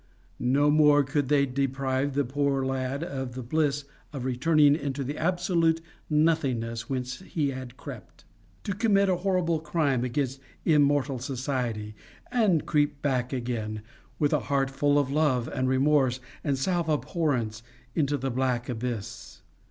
No more could they deprive the poor lad of the bliss of returning into the absolute nothingness whence he had crept to commit a horrible crime against immortal society, and creep back again, with a heart full of love and remorse and self abhorrence, into the black abyss.